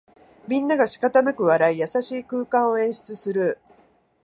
みんながしかたなく笑い、優しい空間を演出する